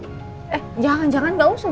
eh jangan jangan nggak usah